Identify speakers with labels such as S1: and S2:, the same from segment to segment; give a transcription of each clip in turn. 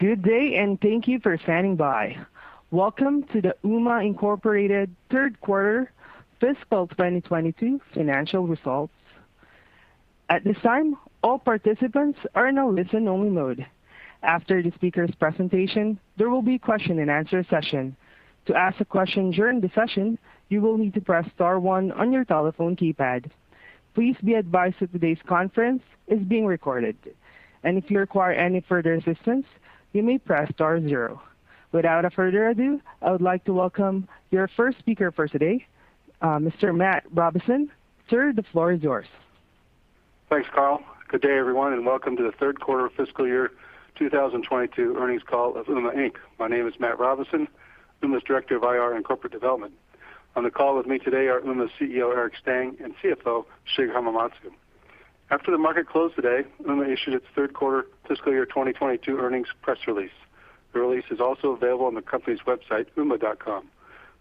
S1: Good day, thank you for standing by. Welcome to the Ooma, Inc. third quarter fiscal 2022 financial results. At this time, all participants are in a listen-only mode. After the speaker's presentation, there will be question and answer session. To ask a question during the session, you will need to press star one on your telephone keypad. Please be advised that today's conference is being recorded. If you require any further assistance, you may press star zero. Without further ado, I would like to welcome your first speaker for today, Mr. Matt Robison. Sir, the floor is yours.
S2: Thanks, Carl. Good day, everyone, and welcome to the third quarter fiscal year 2022 earnings call of Ooma, Inc. My name is Matt Robison, Ooma's Director of IR and Corporate Development. On the call with me today are Ooma's CEO, Eric Stang, and CFO, Shig Hamamatsu. After the market closed today, Ooma issued its third quarter fiscal year 2022 earnings press release. The release is also available on the company's website, ooma.com.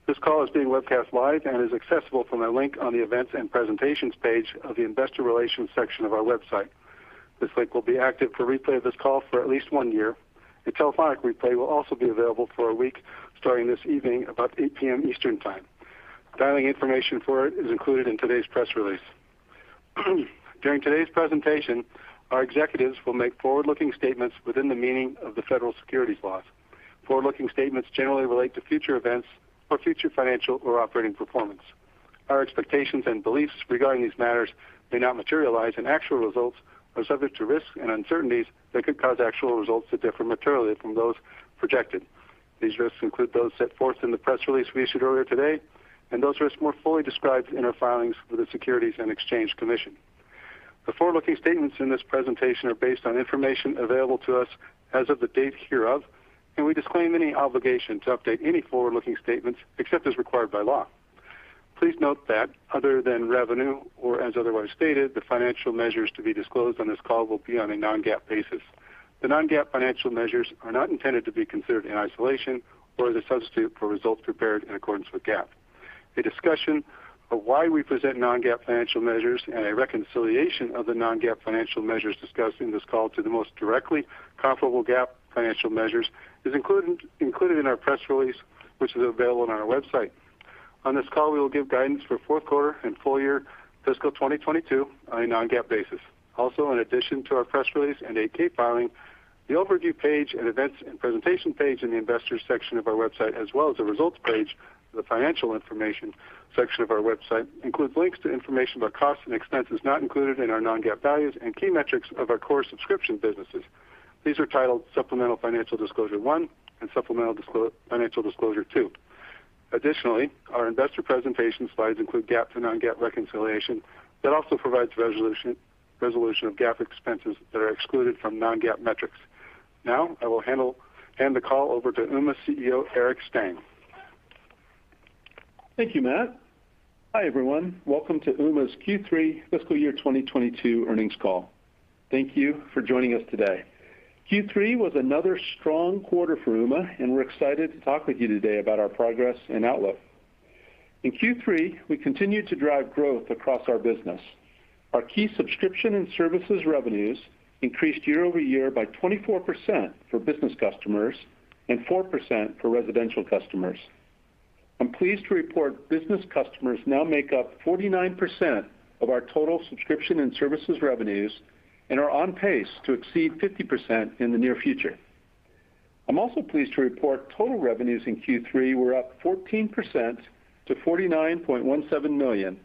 S2: This call is being webcast live and is accessible from a link on the Events and Presentations page of the Investor Relations section of our website. This link will be active for replay of this call for at least one year. The telephonic replay will also be available for a week starting this evening about 8 P.M. Eastern Time. Dialing information for it is included in today's press release. During today's presentation, our executives will make forward-looking statements within the meaning of the federal securities laws. Forward-looking statements generally relate to future events or future financial or operating performance. Our expectations and beliefs regarding these matters may not materialize, and actual results are subject to risks and uncertainties that could cause actual results to differ materially from those projected. These risks include those set forth in the press release we issued earlier today, and those risks more fully described in our filings with the Securities and Exchange Commission. The forward-looking statements in this presentation are based on information available to us as of the date hereof, and we disclaim any obligation to update any forward-looking statements except as required by law. Please note that other than revenue or as otherwise stated, the financial measures to be disclosed on this call will be on a non-GAAP basis. The non-GAAP financial measures are not intended to be considered in isolation or as a substitute for results prepared in accordance with GAAP. A discussion of why we present non-GAAP financial measures and a reconciliation of the non-GAAP financial measures discussed in this call to the most directly comparable GAAP financial measures is included in our press release, which is available on our website. On this call, we will give guidance for fourth quarter and full year fiscal 2022 on a non-GAAP basis. Also, in addition to our press release and 8-K filing, the Overview page and Events and Presentation page in the Investors section of our website, as well as the Results page in the Financial Information section of our website, include links to information about costs and expenses not included in our non-GAAP values and key metrics of our core subscription businesses. These are titled Supplemental Financial Disclosure one and Supplemental Financial Disclosure two. Additionally, our investor presentation slides include GAAP to non-GAAP reconciliation that also provides resolution of GAAP expenses that are excluded from non-GAAP metrics. Now, I will hand the call over to Ooma CEO, Eric Stang.
S3: Thank you, Matt. Hi, everyone. Welcome to Ooma's Q3 fiscal year 2022 earnings call. Thank you for joining us today. Q3 was another strong quarter for Ooma, and we're excited to talk with you today about our progress and outlook. In Q3, we continued to drive growth across our business. Our key subscription and services revenues increased year over year by 24% for business customers and 4% for residential customers. I'm pleased to report business customers now make up 49% of our total subscription and services revenues and are on pace to exceed 50% in the near future. I'm also pleased to report total revenues in Q3 were up 14% to $49.17 million,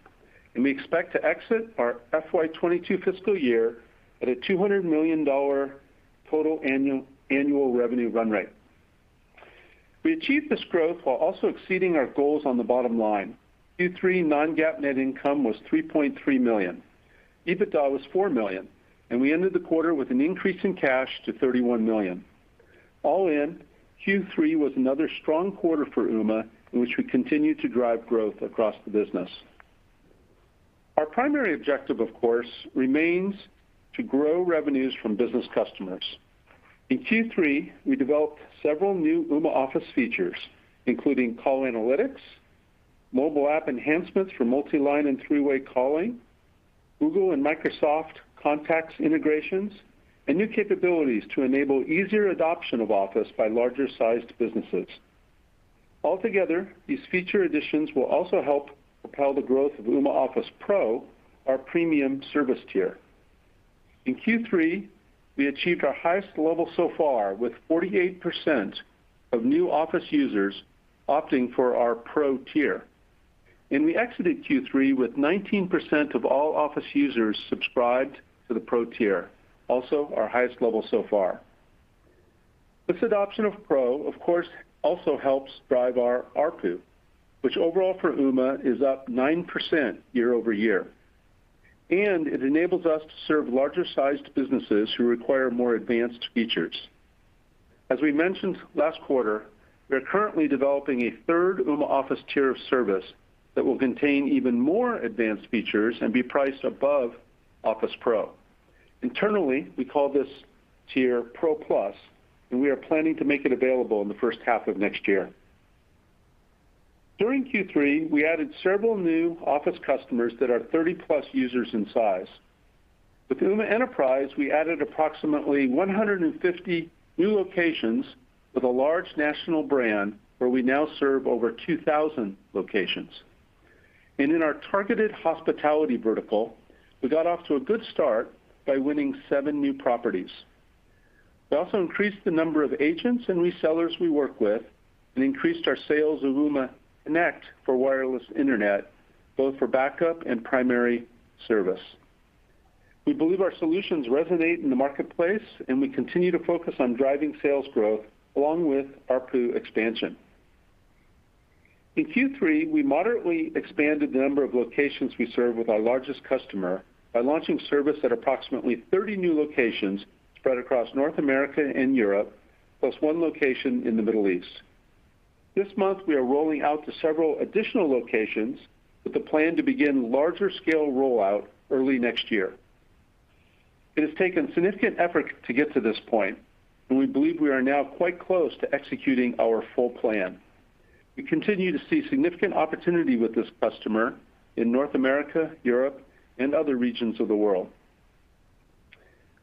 S3: and we expect to exit our FY 2022 fiscal year at a $200 million total annual revenue run rate. We achieved this growth while also exceeding our goals on the bottom line. Q3 non-GAAP net income was $3.3 million. EBITDA was $4 million, and we ended the quarter with an increase in cash to $31 million. All in, Q3 was another strong quarter for Ooma, in which we continued to drive growth across the business. Our primary objective, of course, remains to grow revenues from business customers. In Q3, we developed several new Ooma Office features, including call analytics, mobile app enhancements for multi-line and three-way calling, Google and Microsoft contacts integrations, and new capabilities to enable easier adoption of Office by larger-sized businesses. Altogether, these feature additions will also help propel the growth of Ooma Office Pro, our premium service tier. In Q3, we achieved our highest level so far, with 48% of new Office users opting for our Pro tier. We exited Q3 with 19% of all Office users subscribed to the Pro tier, also our highest level so far. This adoption of Pro, of course, also helps drive our ARPU, which overall for Ooma is up 9% year-over-year, and it enables us to serve larger-sized businesses who require more advanced features. As we mentioned last quarter, we are currently developing a third Ooma Office tier of service that will contain even more advanced features and be priced above Office Pro. Internally, we call this tier Pro Plus, and we are planning to make it available in the first half of next year. During Q3, we added several new office customers that are 30+ users in size. With Ooma Enterprise, we added approximately 150 new locations with a large national brand where we now serve over 2,000 locations. In our targeted hospitality vertical, we got off to a good start by winning 7 new properties. We also increased the number of agents and resellers we work with and increased our sales of Ooma Connect for wireless Internet, both for backup and primary service. We believe our solutions resonate in the marketplace, and we continue to focus on driving sales growth along with ARPU expansion. In Q3, we moderately expanded the number of locations we serve with our largest customer by launching service at approximately 30 new locations spread across North America and Europe, plus 1 location in the Middle East. This month, we are rolling out to several additional locations with a plan to begin larger scale rollout early next year. It has taken significant effort to get to this point, and we believe we are now quite close to executing our full plan. We continue to see significant opportunity with this customer in North America, Europe, and other regions of the world.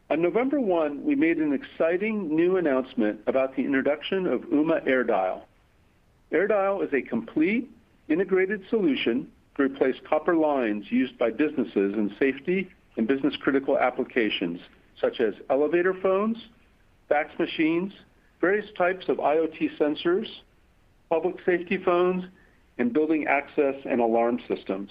S3: On November 1, we made an exciting new announcement about the introduction of Ooma AirDial. AirDial is a complete integrated solution to replace copper lines used by businesses in safety and business-critical applications such as elevator phones, fax machines, various types of IoT sensors, public safety phones, and building access and alarm systems.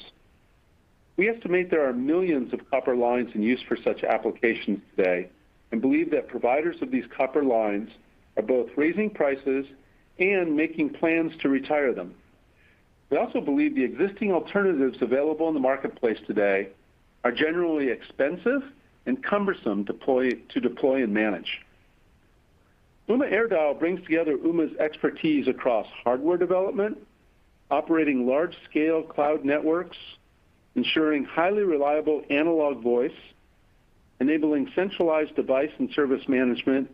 S3: We estimate there are millions of copper lines in use for such applications today and believe that providers of these copper lines are both raising prices and making plans to retire them. We also believe the existing alternatives available in the marketplace today are generally expensive and cumbersome to deploy and manage. Ooma AirDial brings together Ooma's expertise across hardware development, operating large-scale cloud networks, ensuring highly reliable analog voice, enabling centralized device and service management,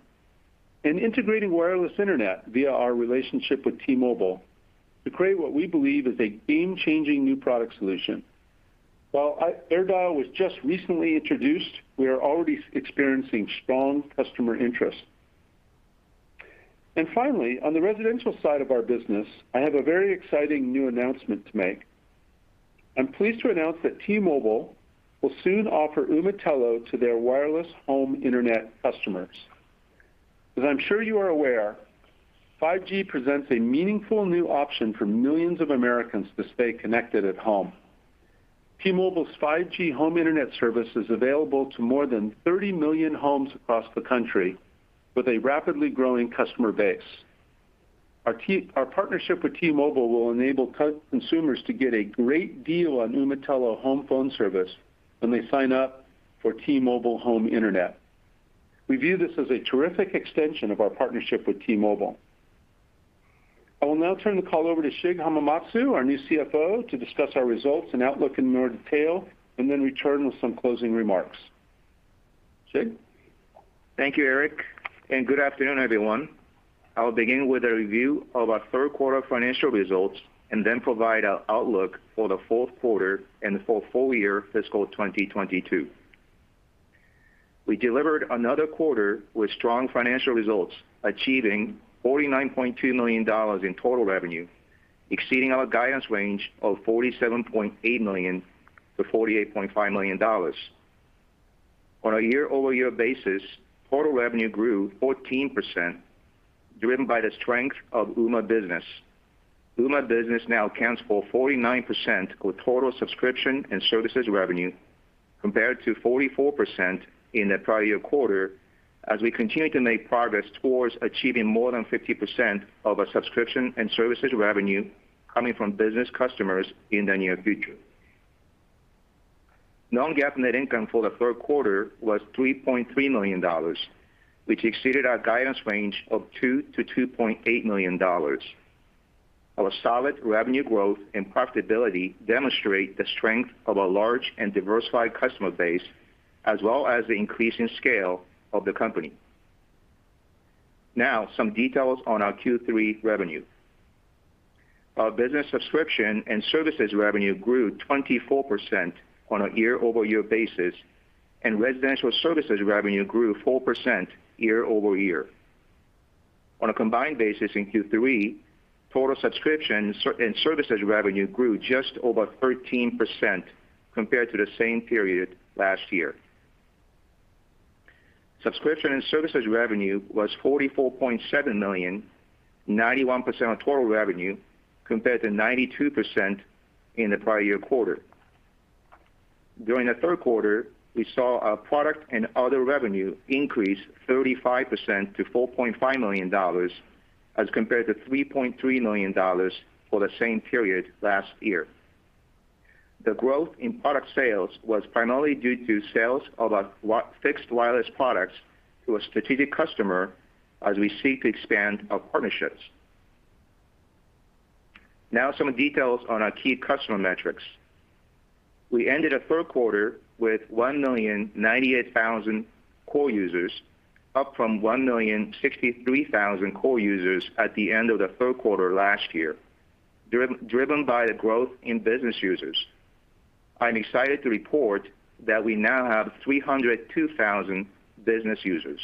S3: and integrating wireless Internet via our relationship with T-Mobile to create what we believe is a game-changing new product solution. While AirDial was just recently introduced, we are already experiencing strong customer interest. Finally, on the residential side of our business, I have a very exciting new announcement to make. I'm pleased to announce that T-Mobile will soon offer Ooma Telo to their wireless home Internet customers. As I'm sure you are aware, 5G presents a meaningful new option for millions of Americans to stay connected at home. T-Mobile's 5G home Internet service is available to more than 30 million homes across the country with a rapidly growing customer base. Our partnership with T-Mobile will enable consumers to get a great deal on Ooma Telo home phone service when they sign up for T-Mobile home Internet. We view this as a terrific extension of our partnership with T-Mobile. I will now turn the call over to Shig Hamamatsu, our new CFO, to discuss our results and outlook in more detail, and then return with some closing remarks. Shig?
S4: Thank you, Eric, and good afternoon, everyone. I will begin with a review of our third quarter financial results and then provide our outlook for the fourth quarter and the full year fiscal 2022. We delivered another quarter with strong financial results, achieving $49.2 million in total revenue, exceeding our guidance range of $47.8 million-$48.5 million. On a year-over-year basis, total revenue grew 14%, driven by the strength of Ooma Business. Ooma Business now accounts for 49% of total subscription and services revenue, compared to 44% in the prior year quarter, as we continue to make progress towards achieving more than 50% of our subscription and services revenue coming from business customers in the near future. non-GAAP net income for the third quarter was $3.3 million, which exceeded our guidance range of $2-$2.8 million. Our solid revenue growth and profitability demonstrate the strength of our large and diversified customer base, as well as the increasing scale of the company. Now, some details on our Q3 revenue. Our business subscription and services revenue grew 24% on a year-over-year basis, and residential services revenue grew 4% year-over-year. On a combined basis in Q3, total subscription and services revenue grew just over 13% compared to the same period last year. Subscription and services revenue was $44.7 million, 91% of total revenue, compared to 92% in the prior year quarter. During the third quarter, we saw our product and other revenue increase 35% to $4.5 million as compared to $3.3 million for the same period last year. The growth in product sales was primarily due to sales of our fixed wireless products to a strategic customer as we seek to expand our partnerships. Now, some details on our key customer metrics. We ended the third quarter with 1,098,000 core users, up from 1,063,000 core users at the end of the third quarter last year, driven by the growth in business users. I'm excited to report that we now have 302,000 business users.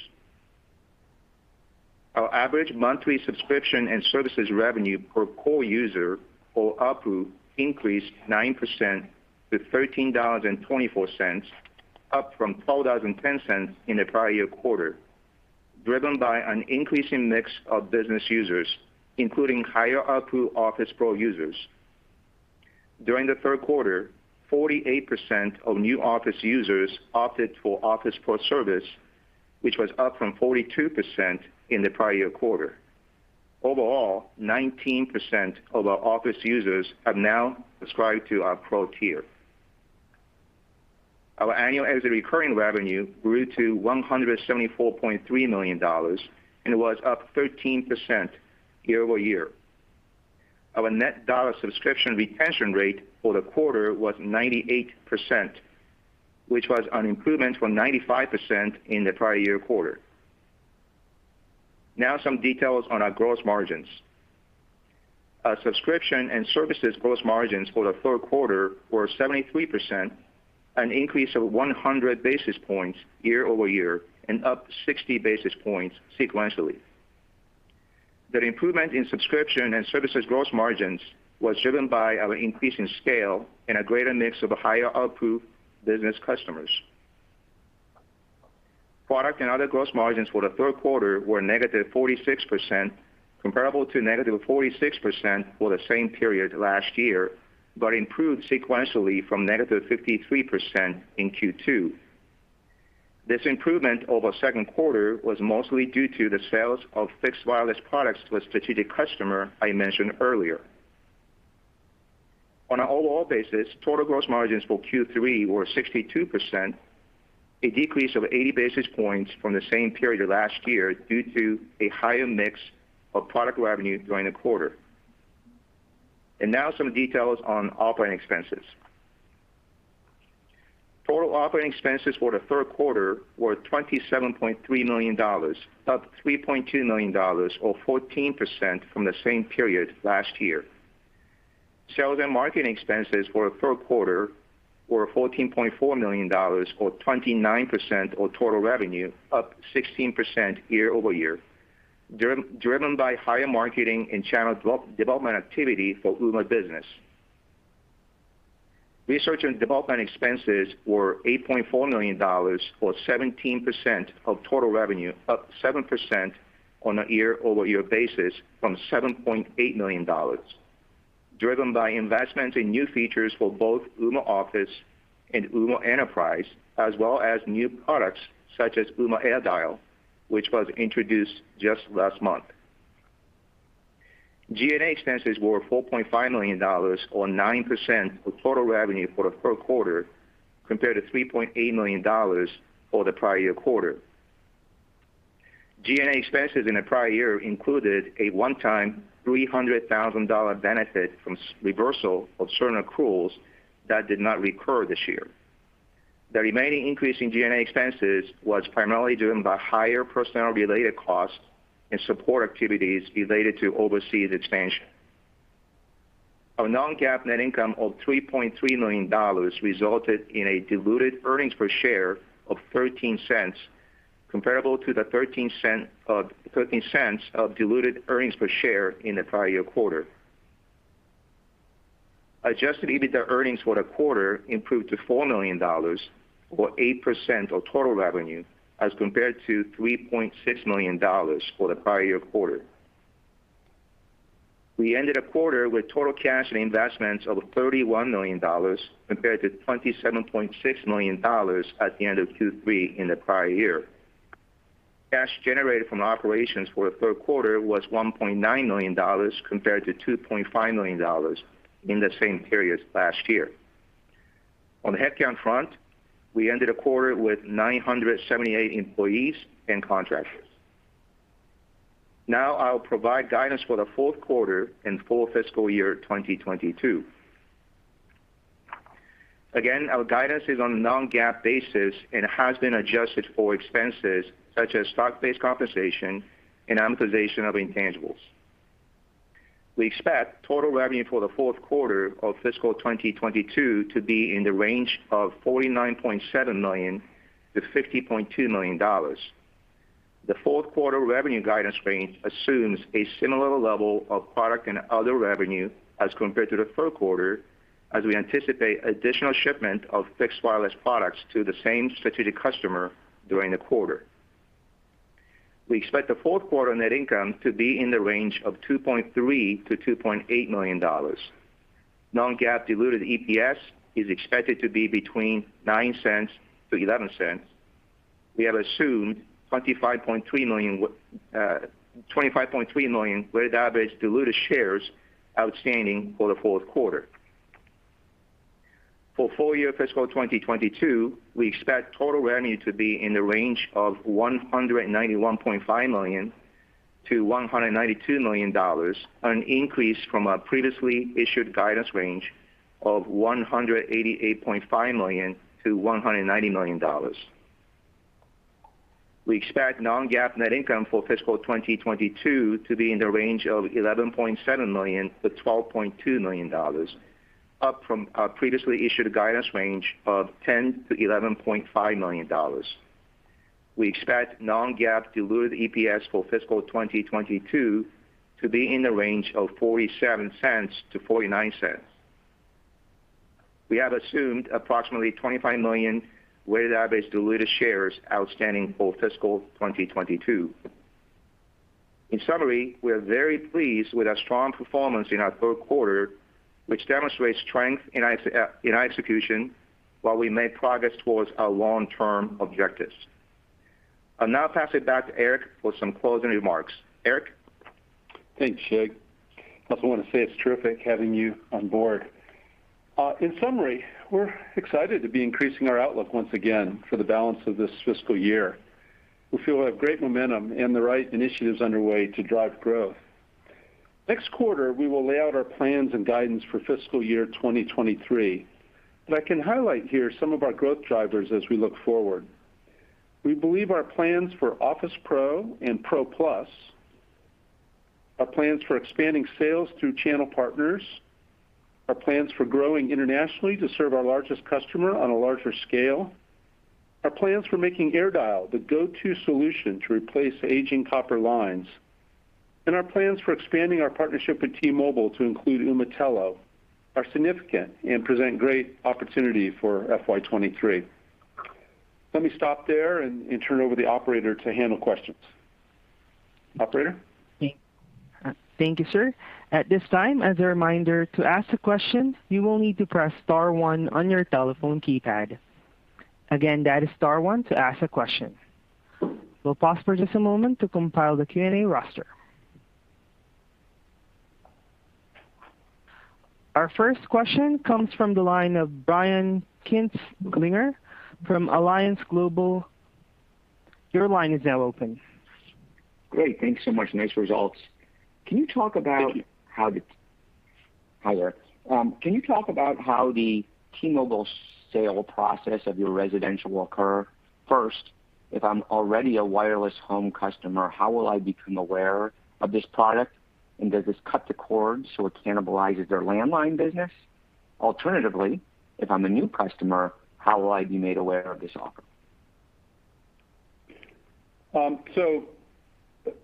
S4: Our average monthly subscription and services revenue per core user or ARPU increased 9% to $13.24, up from $12.10 in the prior year quarter, driven by an increasing mix of business users, including higher ARPU Office Pro users. During the third quarter, 48% of new Office users opted for Office Pro service, which was up from 42% in the prior year quarter. Overall, 19% of our Office users have now subscribed to our Pro tier. Our annual recurring revenue grew to $174.3 million and was up 13% year-over-year. Our net dollar subscription retention rate for the quarter was 98%, which was an improvement from 95% in the prior year quarter. Now some details on our gross margins. Our subscription and services gross margins for the third quarter were 73%, an increase of 100 basis points year over year and up 60 basis points sequentially. The improvement in subscription and services gross margins was driven by our increase in scale and a greater mix of higher ARPU business customers. Product and other gross margins for the third quarter were -46%, comparable to -46% for the same period last year, but improved sequentially from -53% in Q2. This improvement over second quarter was mostly due to the sales of fixed wireless products to a strategic customer I mentioned earlier. On an overall basis, total gross margins for Q3 were 62%, a decrease of 80 basis points from the same period last year due to a higher mix of product revenue during the quarter. Now some details on operating expenses. Total operating expenses for the third quarter were $27.3 million, up $3.2 million or 14% from the same period last year. Sales and marketing expenses for the third quarter were $14.4 million or 29% of total revenue, up 16% year-over-year, driven by higher marketing and channel development activity for Ooma Business. Research and development expenses were $8.4 million or 17% of total revenue, up 7% on a year-over-year basis from $7.8 million, driven by investments in new features for both Ooma Office and Ooma Enterprise, as well as new products such as Ooma AirDial, which was introduced just last month. G&A expenses were $4.5 million or 9% of total revenue for the third quarter, compared to $3.8 million for the prior year quarter. G&A expenses in the prior year included a one-time $300,000 benefit from a reversal of certain accruals that did not recur this year. The remaining increase in G&A expenses was primarily driven by higher personnel-related costs and support activities related to overseas expansion. Our non-GAAP net income of $3.3 million resulted in a diluted earnings per share of $0.13, comparable to the thirteen cents of diluted earnings per share in the prior year quarter. Adjusted EBITDA earnings for the quarter improved to $4 million or 8% of total revenue as compared to $3.6 million for the prior year quarter. We ended the quarter with total cash and investments of $31 million compared to $27.6 million at the end of Q3 in the prior year. Cash generated from operations for the third quarter was $1.9 million compared to $2.5 million in the same period last year. On the headcount front, we ended the quarter with 978 employees and contractors. Now I'll provide guidance for the fourth quarter and full fiscal year 2022. Again, our guidance is on a non-GAAP basis and has been adjusted for expenses such as stock-based compensation and amortization of intangibles. We expect total revenue for the fourth quarter of fiscal 2022 to be in the range of $49.7 million-$50.2 million. The fourth quarter revenue guidance range assumes a similar level of product and other revenue as compared to the third quarter, as we anticipate additional shipment of fixed wireless products to the same strategic customer during the quarter. We expect the fourth quarter net income to be in the range of $2.3 million-$2.8 million. Non-GAAP diluted EPS is expected to be between $0.09-$0.11. We have assumed 25.3 million weighted average diluted shares outstanding for the fourth quarter. For full year fiscal 2022, we expect total revenue to be in the range of $191.5 million-$192 million, an increase from our previously issued guidance range of $188.5 million-$190 million. We expect non-GAAP net income for fiscal 2022 to be in the range of $11.7 million-$12.2 million, up from our previously issued guidance range of $10 million-$11.5 million. We expect non-GAAP diluted EPS for fiscal 2022 to be in the range of $0.47-$0.49. We have assumed approximately 25 million weighted average diluted shares outstanding for fiscal 2022. In summary, we are very pleased with our strong performance in our third quarter, which demonstrates strength in execution while we made progress towards our long-term objectives. I'll now pass it back to Eric for some closing remarks. Eric?
S3: Thanks, Shig. I also want to say it's terrific having you on board. In summary, we're excited to be increasing our outlook once again for the balance of this fiscal year. We feel we have great momentum and the right initiatives underway to drive growth. Next quarter, we will lay out our plans and guidance for fiscal year 2023, but I can highlight here some of our growth drivers as we look forward. We believe our plans for Office Pro and Pro Plus, our plans for expanding sales through channel partners, our plans for growing internationally to serve our largest customer on a larger scale, our plans for making AirDial the go-to solution to replace aging copper lines, and our plans for expanding our partnership with T-Mobile to include Ooma Telo are significant and present great opportunity for FY 2023. Let me stop there and turn it over to the operator to handle questions. Operator?
S1: Thank you, sir. At this time, as a reminder, to ask a question, you will need to press star one on your telephone keypad. Again, that is star one to ask a question. We'll pause for just a moment to compile the Q&A roster. Our first question comes from the line of Brian Kinstlinger from Alliance Global. Your line is now open.
S5: Great. Thanks so much. Nice results. Can you talk about how the
S3: Thank you.
S5: Hi, Eric. Can you talk about how the T-Mobile sale process of your residential will occur? First, if I'm already a wireless home customer, how will I become aware of this product? And does this cut the cord so it cannibalizes their landline business? Alternatively, if I'm a new customer, how will I be made aware of this offer?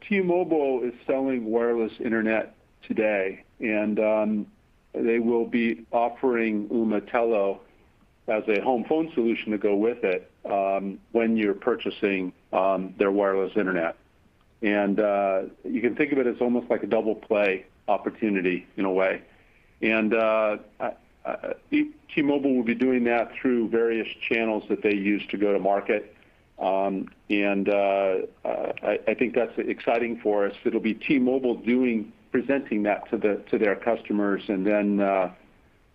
S3: T-Mobile is selling wireless internet today, and they will be offering Ooma Telo as a home phone solution to go with it, when you're purchasing their wireless internet. T-Mobile will be doing that through various channels that they use to go to market. I think that's exciting for us. It'll be T-Mobile presenting that to their customers.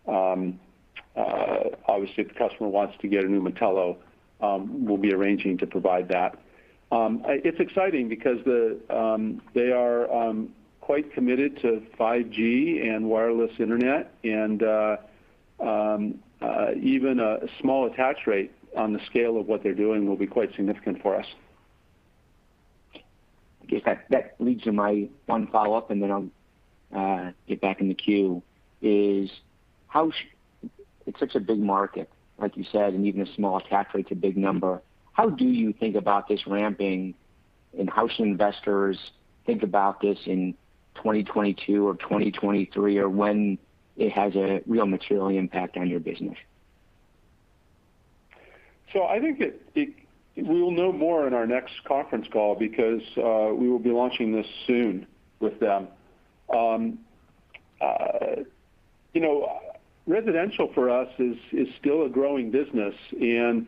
S3: Obviously, if the customer wants to get an Ooma Telo, we'll be arranging to provide that. It's exciting because they are quite committed to 5G and wireless internet, and even a small attach rate on the scale of what they're doing will be quite significant for us.
S5: I guess that leads to my one follow-up, and then I'll get back in the queue. It's such a big market, like you said, and even a small attach rate is a big number. How do you think about this ramping, and how should investors think about this in 2022 or 2023, or when it has a real material impact on your business?
S3: I think we will know more in our next conference call because we will be launching this soon with them. You know, residential for us is still a growing business, and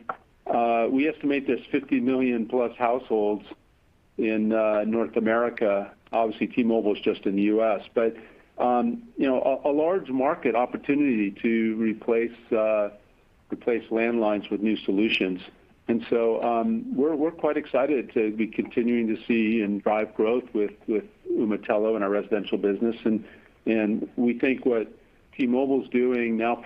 S3: we estimate there's 50 million-plus households in North America. Obviously, T-Mobile is just in the U.S. You know, a large market opportunity to replace landlines with new solutions. We are quite excited to be continuing to see and drive growth with Ooma Telo and our residential business. We think what T-Mobile's doing now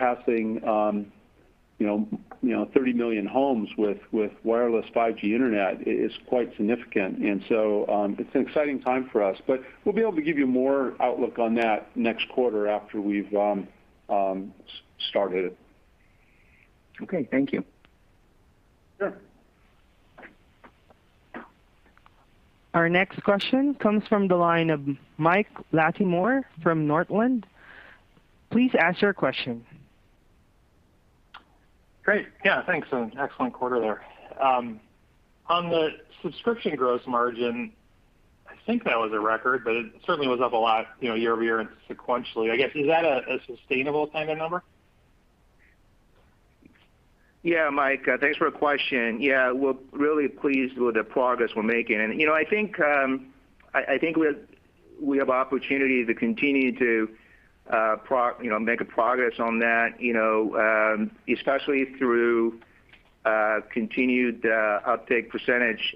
S3: past 30 million homes with wireless 5G internet is quite significant. It's an exciting time for us. We'll be able to give you more outlook on that next quarter after we've started it.
S5: Okay. Thank you.
S3: Sure.
S1: Our next question comes from the line of Mike Latimore from Northland. Please ask your question.
S6: Great. Yeah, thanks. An excellent quarter there. On the subscription gross margin, I think that was a record, but it certainly was up a lot, you know, year-over-year and sequentially. I guess, is that a sustainable kind of number?
S4: Yeah, Mike, thanks for the question. Yeah, we're really pleased with the progress we're making. You know, I think I think we have opportunity to continue to make a progress on that, you know, especially through continued uptake percentage,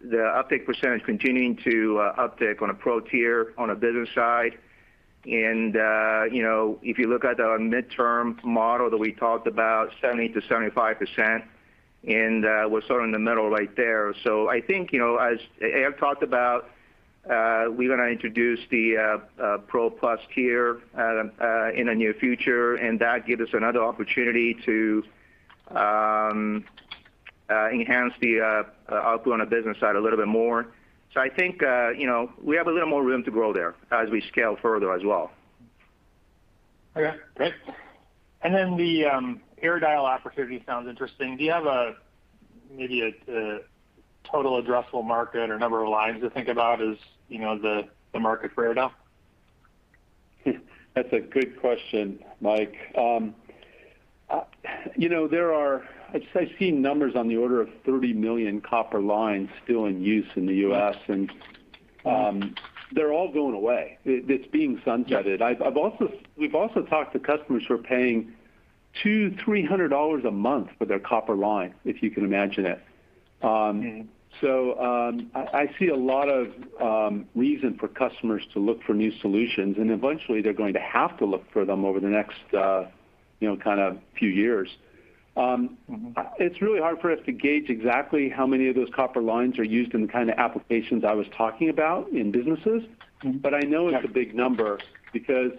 S4: the uptake percentage continuing to uptick on a Pro tier on a business side. You know, if you look at our midterm model that we talked about, 70%-75%, and we're sort of in the middle right there. I think, you know, as Eric talked about, we're gonna introduce the Pro Plus tier in the near future, and that gives us another opportunity to enhance the output on the business side a little bit more. I think, you know, we have a little more room to grow there as we scale further as well.
S6: Okay, great. Then the AirDial opportunity sounds interesting. Do you have maybe a total addressable market or number of lines to think about as you know the market for AirDial?
S3: That's a good question, Mike. You know, I've seen numbers on the order of 30 million copper lines still in use in the U.S., and they're all going away. It's being sunsetted.
S6: Got it.
S3: We've also talked to customers who are paying $200-$300 a month for their copper line, if you can imagine it.
S6: Mm-hmm.
S3: I see a lot of reason for customers to look for new solutions, and eventually they're going to have to look for them over the next, you know, kind of few years.
S6: Mm-hmm.
S3: It's really hard for us to gauge exactly how many of those copper lines are used in the kind of applications I was talking about in businesses.
S6: Mm-hmm.
S3: I know it's a big number because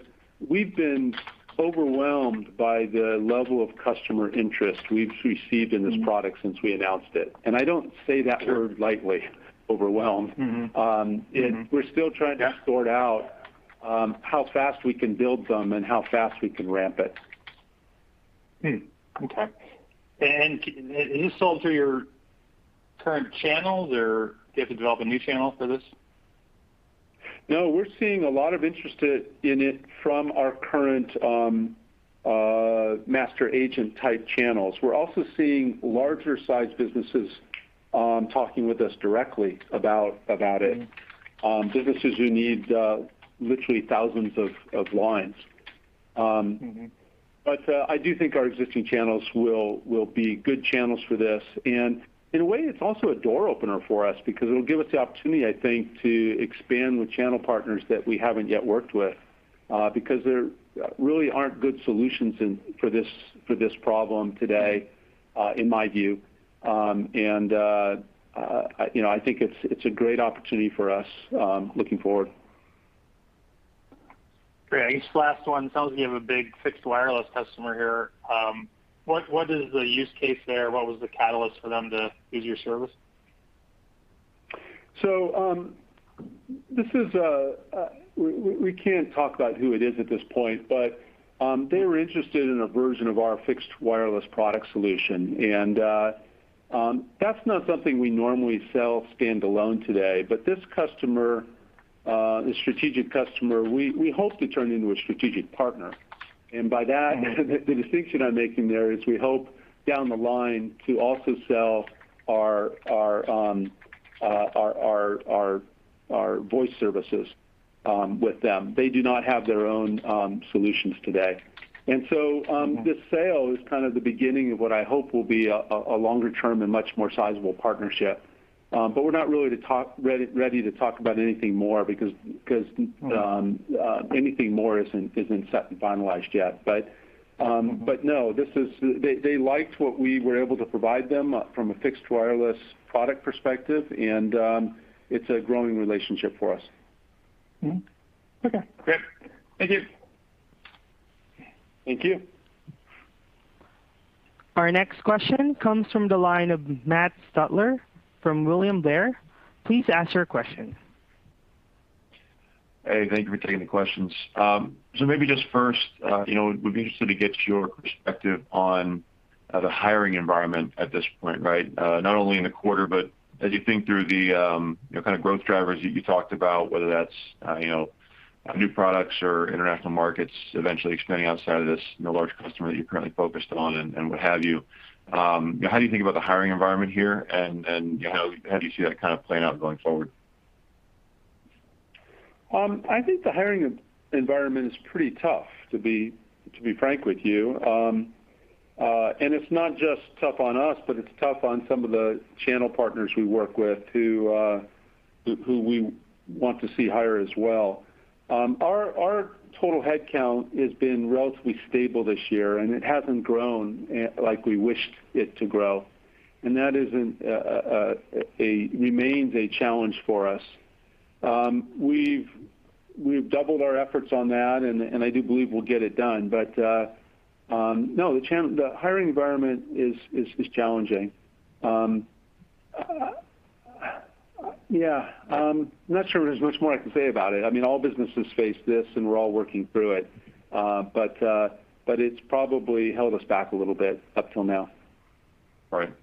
S3: we've been overwhelmed by the level of customer interest we've received in this product since we announced it, and I don't say that word lightly, overwhelmed.
S6: Mm-hmm.
S3: We're still trying to sort out how fast we can build them and how fast we can ramp it.
S6: Okay. Is this sold through your current channels or do you have to develop a new channel for this?
S3: No, we're seeing a lot of interest in it from our current master agent type channels. We're also seeing larger sized businesses talking with us directly about it.
S6: Mm-hmm.
S3: Businesses who need literally thousands of lines.
S6: Mm-hmm.
S3: I do think our existing channels will be good channels for this. In a way, it's also a door opener for us because it'll give us the opportunity, I think, to expand with channel partners that we haven't yet worked with, because there really aren't good solutions for this problem today, in my view. You know, I think it's a great opportunity for us, looking forward.
S6: Great. Just last one. It sounds like you have a big fixed wireless customer here. What is the use case there? What was the catalyst for them to use your service?
S3: We can't talk about who it is at this point, but they were interested in a version of our fixed wireless product solution. That's not something we normally sell standalone today. This customer, this strategic customer, we hope to turn into a strategic partner. By that the distinction I'm making there is we hope down the line to also sell our voice services with them. They do not have their own solutions today.
S6: Mm-hmm.
S3: This sale is kind of the beginning of what I hope will be a longer term and much more sizable partnership. We're not really ready to talk about anything more because anything more isn't set and finalized yet. They liked what we were able to provide them from a fixed wireless product perspective, and it's a growing relationship for us.
S6: Mm-hmm. Okay. Great. Thank you.
S3: Thank you.
S1: Our next question comes from the line of Matt Stotler from William Blair. Please ask your question.
S7: Hey, thank you for taking the questions. Maybe just first, you know, we'd be interested to get your perspective on the hiring environment at this point, right? Not only in the quarter, but as you think through the, you know, kind of growth drivers you talked about, whether that's, you know, new products or international markets eventually expanding outside of this, you know, large customer that you're currently focused on and what have you. How do you think about the hiring environment here and, you know, how do you see that kind of playing out going forward?
S3: I think the hiring environment is pretty tough, to be frank with you. It's not just tough on us, but it's tough on some of the channel partners we work with who we want to see hire as well. Our total headcount has been relatively stable this year, and it hasn't grown like we wished it to grow. That remains a challenge for us. We've doubled our efforts on that, and I do believe we'll get it done. No, the hiring environment is challenging. Yeah, I'm not sure there's much more I can say about it. I mean, all businesses face this, and we're all working through it. It's probably held us back a little bit up till now.
S7: Right.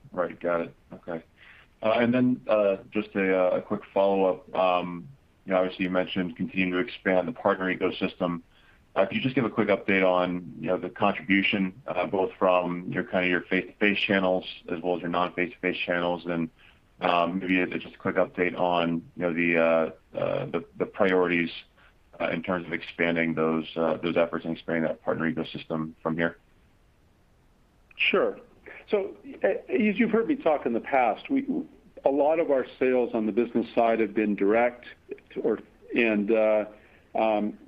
S7: Got it. Okay. Just a quick follow-up. You know, obviously you mentioned continuing to expand the partner ecosystem. Can you just give a quick update on, you know, the contribution both from your face-to-face channels as well as your non-face-to-face channels, and maybe just a quick update on, you know, the priorities in terms of expanding those efforts and expanding that partner ecosystem from here.
S3: Sure. As you've heard me talk in the past, a lot of our sales on the business side have been direct, and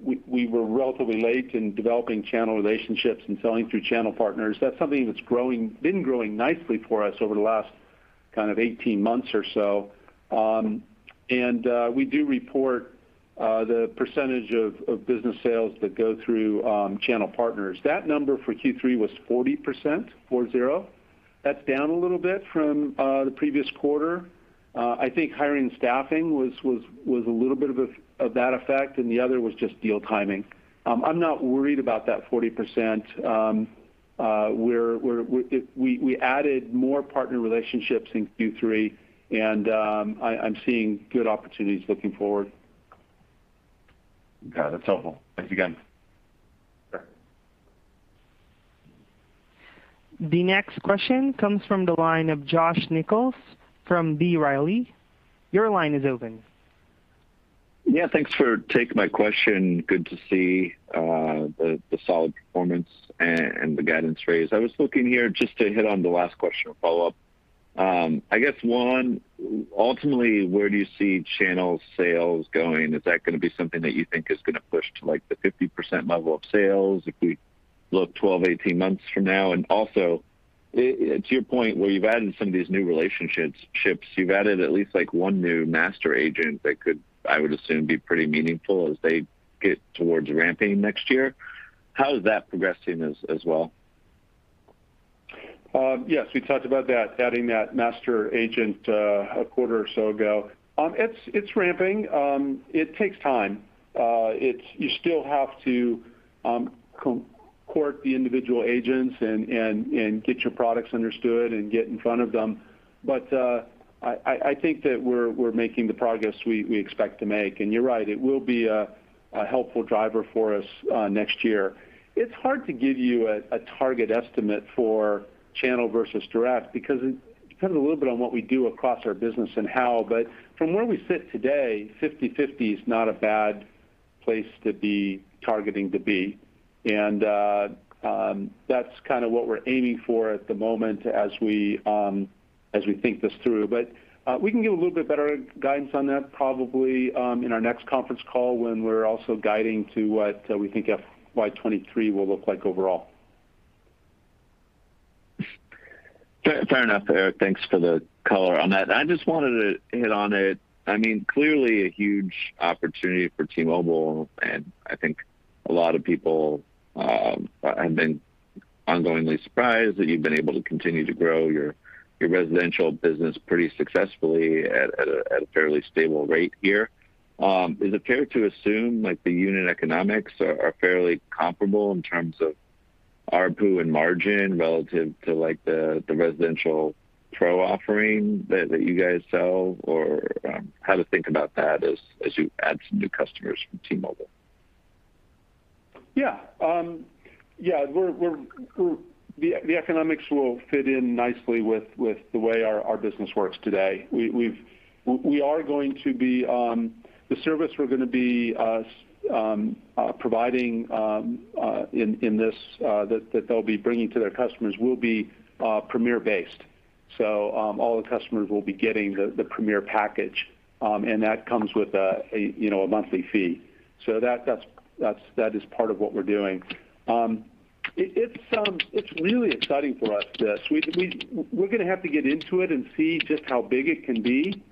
S3: we were relatively late in developing channel relationships and selling through channel partners. That's something that's been growing nicely for us over the last kind of 18 months or so. We do report the percentage of business sales that go through channel partners. That number for Q3 was 40%. That's down a little bit from the previous quarter. I think hiring staffing was a little bit of that effect, and the other was just deal timing. I'm not worried about that 40%. We added more partner relationships in Q3, and I'm seeing good opportunities looking forward.
S7: Got it. That's helpful. Thanks again.
S3: Sure.
S1: The next question comes from the line of Josh Nichols from B. Riley. Your line is open.
S8: Yeah, thanks for taking my question. Good to see the solid performance and the guidance raise. I was looking here just to hit on the last question, a follow-up. I guess one, ultimately, where do you see channel sales going? Is that gonna be something that you think is gonna push to, like, the 50% level of sales if we look 12, 18 months from now? And also, to your point where you've added some of these new relationships, you've added at least, like, one new master agent that could, I would assume, be pretty meaningful as they get towards ramping next year. How is that progressing as well?
S3: Yes, we talked about that, adding that master agent a quarter or so ago. It's ramping. It takes time. You still have to co-court the individual agents and get your products understood and get in front of them. I think that we're making the progress we expect to make. You're right, it will be a helpful driver for us next year. It's hard to give you a target estimate for channel versus direct because it depends a little bit on what we do across our business and how. From where we sit today, 50/50 is not a bad place to be targeting to be. That's kinda what we're aiming for at the moment as we think this through. We can give a little bit better guidance on that probably in our next conference call when we're also guiding to what we think FY 2023 will look like overall.
S8: Fair enough, Eric. Thanks for the color on that. I just wanted to hit on it. I mean, clearly a huge opportunity for T-Mobile, and I think a lot of people have been ongoingly surprised that you've been able to continue to grow your residential business pretty successfully at a fairly stable rate here. Is it fair to assume, like, the unit economics are fairly comparable in terms of ARPU and margin relative to, like, the residential pro offering that you guys sell? Or, how to think about that as you add some new customers from T-Mobile?
S3: Yeah, the economics will fit in nicely with the way our business works today. The service we're gonna be providing that they'll be bringing to their customers will be Premier based. All the customers will be getting the Premier package, and that comes with a, you know, a monthly fee. That is part of what we're doing. It's really exciting for us, this. We're gonna have to get into it and see just how big it can be.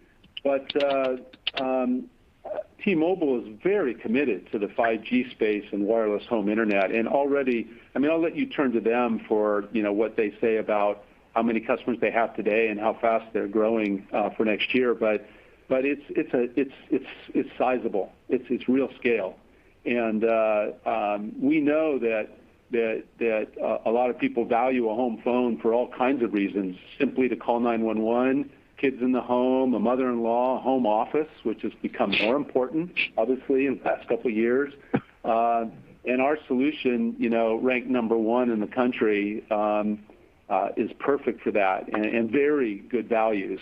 S3: T-Mobile is very committed to the 5G space and wireless home internet. Already. I mean, I'll let you turn to them for, you know, what they say about how many customers they have today and how fast they're growing for next year, but it's sizable. It's real scale. We know that a lot of people value a home phone for all kinds of reasons, simply to call 911, kids in the home, a mother-in-law, home office, which has become more important, obviously, in the past couple years. Our solution, you know, ranked number one in the country, is perfect for that and very good value.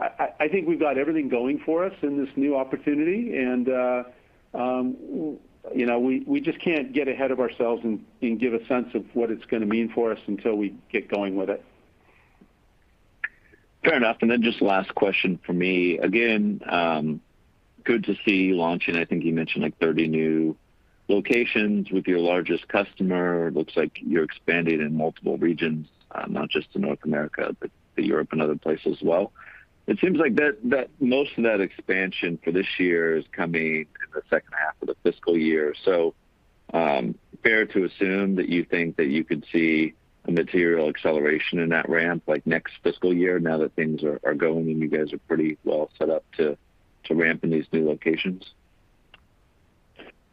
S3: I think we've got everything going for us in this new opportunity and, you know, we just can't get ahead of ourselves and give a sense of what it's gonna mean for us until we get going with it.
S8: Fair enough. Then just last question from me. Again, good to see you launching. I think you mentioned like 30 new locations with your largest customer. Looks like you're expanding in multiple regions, not just to North America, but to Europe and other places as well. It seems like that most of that expansion for this year is coming in the second half of the fiscal year. Fair to assume that you think that you could see a material acceleration in that ramp, like, next fiscal year now that things are going and you guys are pretty well set up to ramp in these new locations?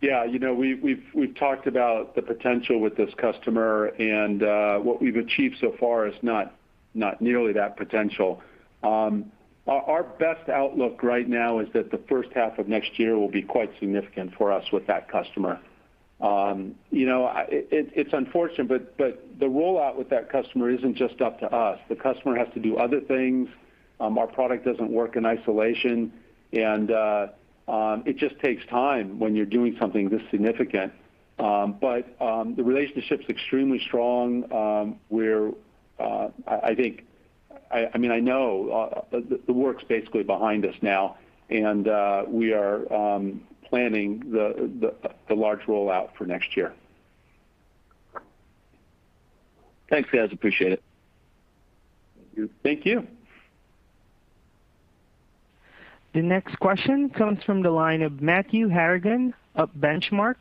S3: Yeah. You know, we've talked about the potential with this customer and what we've achieved so far is not nearly that potential. Our best outlook right now is that the first half of next year will be quite significant for us with that customer. You know, it's unfortunate, but the rollout with that customer isn't just up to us. The customer has to do other things. Our product doesn't work in isolation, and it just takes time when you're doing something this significant. The relationship's extremely strong. I mean, I know the work's basically behind us now, and we are planning the large rollout for next year.
S8: Thanks, guys. Appreciate it.
S3: Thank you.
S1: The next question comes from the line of Matthew Harrigan of Benchmark.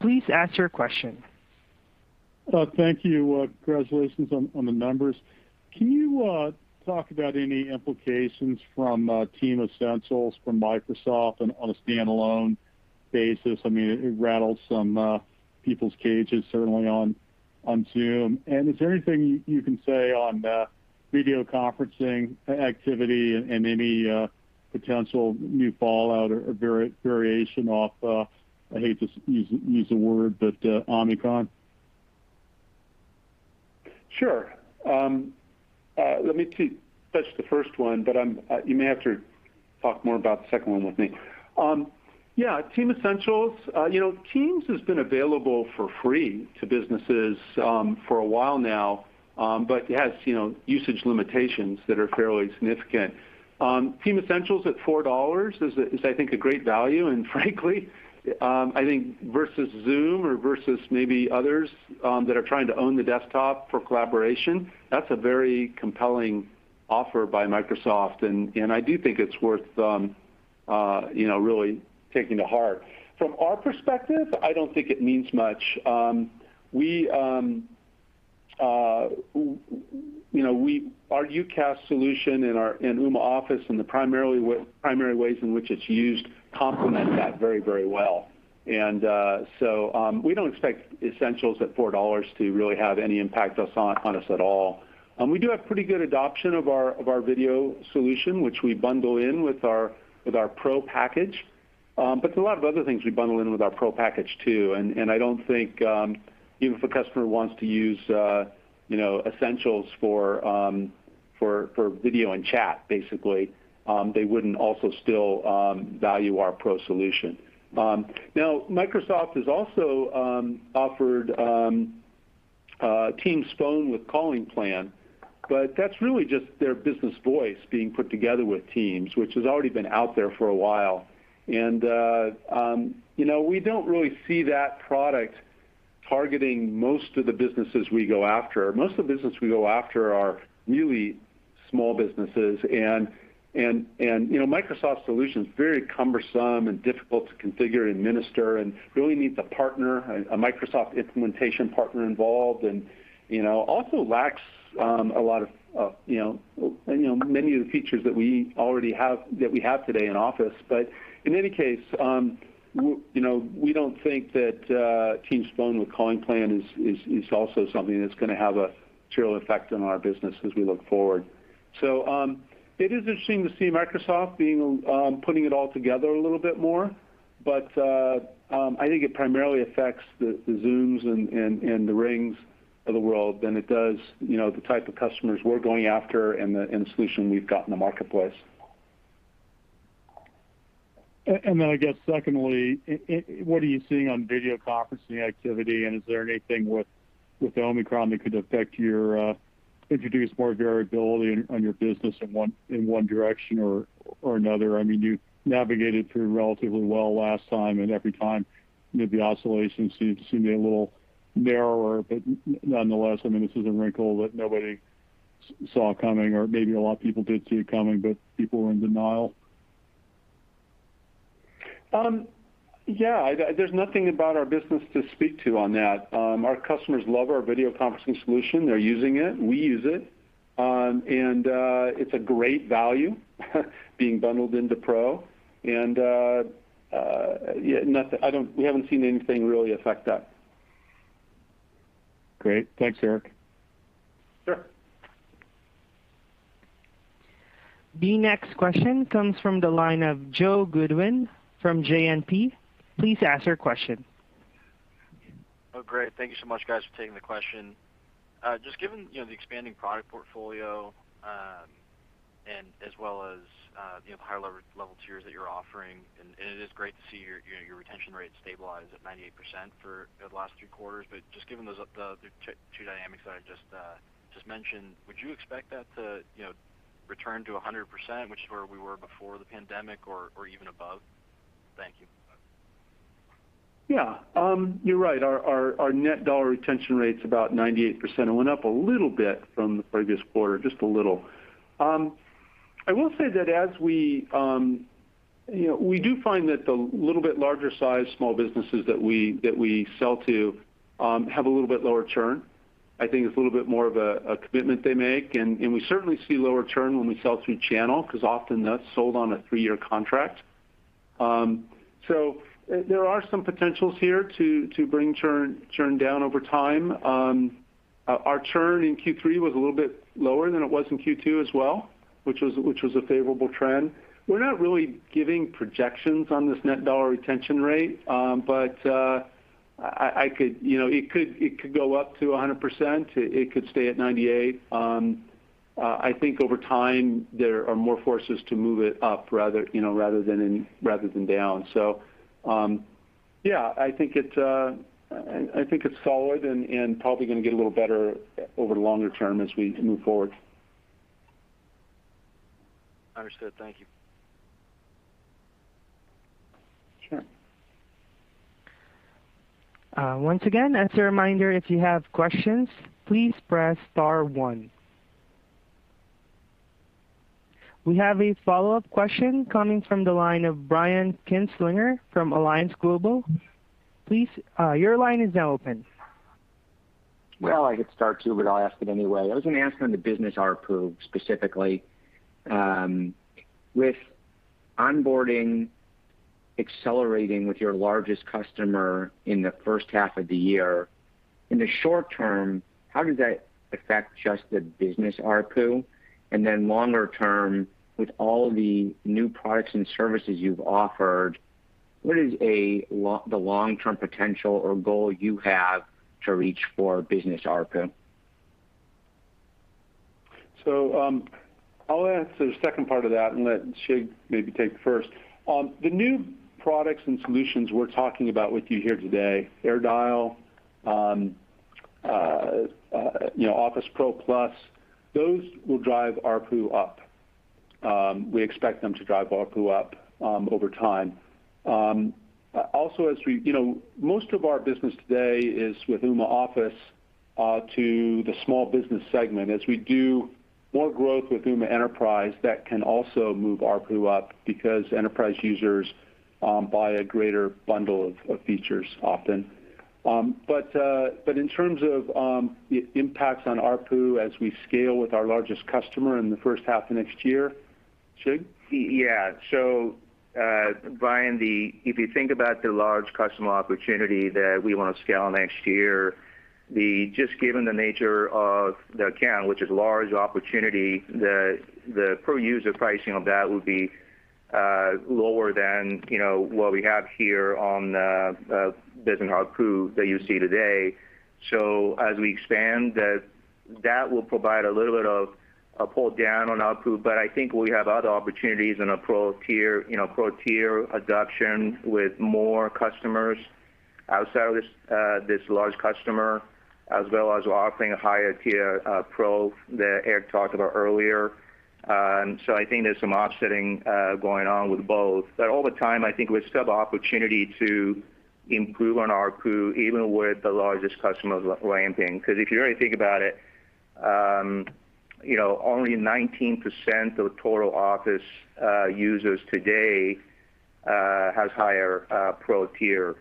S1: Please ask your question.
S9: Thank you. Congratulations on the numbers. Can you talk about any implications from Teams Essentials from Microsoft and on a standalone basis? I mean, it rattled some people's cages certainly on Zoom. Is there anything you can say on video conferencing activity and any potential new fallout or variation of Omicron? I hate to use the word, but Omicron?
S3: Sure. Let me touch the first one, but you may have to talk more about the second one with me. Teams Essentials, you know, Teams has been available for free to businesses, for a while now, but it has, you know, usage limitations that are fairly significant. Teams Essentials at $4 is I think a great value, and frankly, I think versus Zoom or versus maybe others, that are trying to own the desktop for collaboration, that's a very compelling offer by Microsoft. I do think it's worth, you know, really taking to heart. From our perspective, I don't think it means much. Our UCaaS solution in Ooma Office and the primary ways in which it's used complement that very, very well. We don't expect Essentials at $4 to really have any impact on us at all. We do have pretty good adoption of our video solution, which we bundle in with our Pro package. But there's a lot of other things we bundle in with our Pro package too, and I don't think even if a customer wants to use you know Essentials for video and chat basically they wouldn't also still value our Pro solution. Now Microsoft has also offered Teams Phone with Calling Plan, but that's really just their business voice being put together with Teams, which has already been out there for a while. You know we don't really see that product targeting most of the businesses we go after. Most of the businesses we go after are newly small businesses and you know, Microsoft's solution is very cumbersome and difficult to configure and administer and really needs a partner, a Microsoft implementation partner involved, and you know, also lacks a lot of you know, many of the features that we already have, that we have today in Office. In any case, you know, we don't think that Teams Phone with Calling Plan is also something that's gonna have a material effect on our business as we look forward. It is interesting to see Microsoft being putting it all together a little bit more, but I think it primarily affects the Zoom and the RingCentral of the world than it does, you know, the type of customers we're going after and the solution we've got in the marketplace.
S9: I guess secondly, what are you seeing on video conferencing activity, and is there anything with Omicron that could affect or introduce more variability on your business in one direction or another? I mean, you navigated through relatively well last time, and every time, you know, the oscillations seem to be a little narrower. Nonetheless, I mean, this is a wrinkle that nobody saw coming, or maybe a lot of people did see it coming, but people were in denial.
S3: Yeah. There's nothing about our business to speak to on that. Our customers love our video conferencing solution. They're using it, we use it, and it's a great value being bundled into Pro. Yeah, nothing. We haven't seen anything really affect that.
S9: Great. Thanks, Eric.
S3: Sure.
S1: The next question comes from the line of Joe Goodwin from JMP. Please ask your question.
S10: Oh, great. Thank you so much, guys, for taking the question. Just given, you know, the expanding product portfolio, and as well as, you know, the higher-level tiers that you're offering, it is great to see your, you know, retention rate stabilize at 98% for the last two quarters. Just given those, the two dynamics that I just mentioned, would you expect that to, you know, return to 100%, which is where we were before the pandemic or even above? Thank you.
S3: Yeah. You're right. Our net dollar retention rate's about 98%. It went up a little bit from the previous quarter, just a little. I will say that as we do find that the little bit larger sized small businesses that we sell to have a little bit lower churn. I think it's a little bit more of a commitment they make. We certainly see lower churn when we sell through channel 'cause often that's sold on a three-year contract. There are some potentials here to bring churn down over time. Our churn in Q3 was a little bit lower than it was in Q2 as well, which was a favorable trend. We're not really giving projections on this net dollar retention rate. I could... You know, it could go up to 100%. It could stay at 98%. I think over time there are more forces to move it up rather, you know, rather than down. Yeah, I think it's solid and probably gonna get a little better over the longer term as we move forward.
S10: Understood. Thank you.
S3: Sure.
S1: Once again, as a reminder, if you have questions, please press star one. We have a follow-up question coming from the line of Brian Kinstlinger from AllianceGlobal. Please, your line is now open.
S5: Well, I could star two, but I'll ask it anyway. I was gonna ask on the business ARPU specifically. With onboarding accelerating with your largest customer in the first half of the year, in the short term, how does that affect just the business ARPU? Longer term, with all the new products and services you've offered, what is the long-term potential or goal you have to reach for business ARPU?
S3: I'll answer the second part of that and let Shig maybe take the first. The new products and solutions we're talking about with you here today, AirDial, you know, Office Pro Plus, those will drive ARPU up. We expect them to drive ARPU up over time. You know, most of our business today is with Ooma Office to the small business segment. As we do more growth with Ooma Enterprise, that can also move ARPU up because enterprise users buy a greater bundle of features often. But in terms of impacts on ARPU as we scale with our largest customer in the first half of next year, Shig?
S4: Yeah. Brian, if you think about the large customer opportunity that we wanna scale next year, just given the nature of the account, which is large opportunity, the per-user pricing of that would be lower than, you know, what we have here on the business ARPU that you see today. As we expand, that will provide a little bit of a pull down on ARPU. I think we have other opportunities in a Pro tier, you know, Pro tier adoption with more customers outside of this large customer, as well as offering a higher tier Pro that Eric talked about earlier. I think there's some offsetting going on with both. All the time, I think we still have opportunity to improve on ARPU, even with the largest customer ramping. Because if you really think about it, you know, only 19% of total Office users today has higher Pro tier.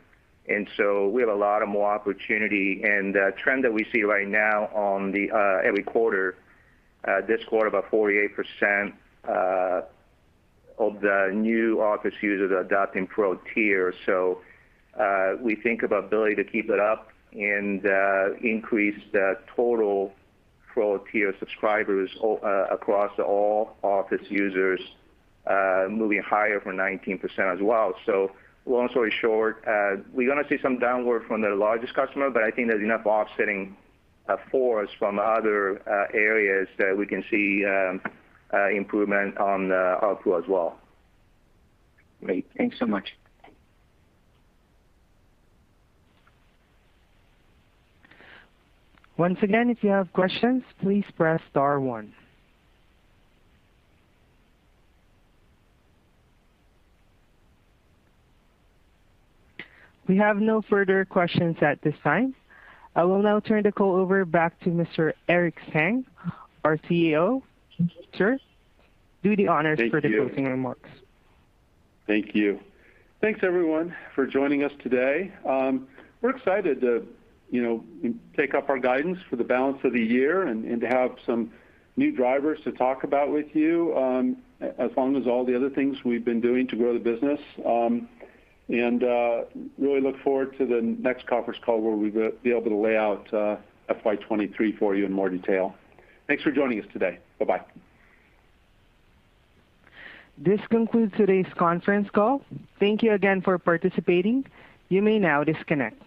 S4: We have a lot more opportunity. The trend that we see right now in every quarter, this quarter about 48% of the new Office users are adopting Pro tier. We have the ability to keep it up and increase the total Pro tier subscribers across all Office users moving higher from 19% as well. Long story short, we're gonna see some downward from the largest customer, but I think there's enough offsetting force from other areas that we can see improvement on the ARPU as well.
S5: Great. Thanks so much.
S1: Once again, if you have questions, please press star one. We have no further questions at this time. I will now turn the call back over to Mr. Eric Stang, our CEO. Sir, do the honors...
S3: Thank you.
S1: for the closing remarks.
S3: Thank you. Thanks everyone for joining us today. We're excited to, you know, take up our guidance for the balance of the year and to have some new drivers to talk about with you, along with all the other things we've been doing to grow the business. Really look forward to the next conference call where we will be able to lay out FY 2023 for you in more detail. Thanks for joining us today. Bye-bye.
S1: This concludes today's conference call. Thank you again for participating. You may now disconnect.